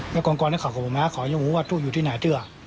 แล้วก่อนนี่เขาก็บอกมาเขายิ่งรู้ว่าทุกอยู่ที่ไหนด้วย